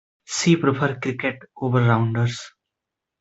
She prefers cricket over rounders.